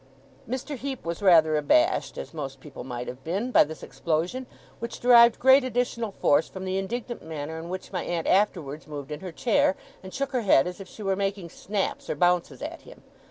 Mr. Heep was rather abashed, as most people might have been, by this explosion; which derived great additional force from the indignant manner in which my aunt afterwards moved in her chair, and shook her head as if she were making snaps or bounces at him.